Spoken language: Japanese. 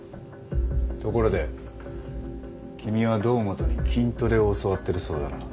ところで君は堂本に筋トレを教わってるそうだな。